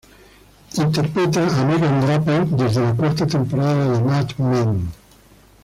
Interpreta a Megan Draper, desde la cuarta temporada de "Mad Men".